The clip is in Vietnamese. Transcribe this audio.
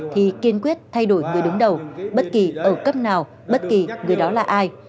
thì kiên quyết thay đổi người đứng đầu bất kỳ ở cấp nào bất kỳ người đó là ai